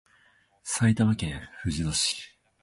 埼玉県ふじみ野市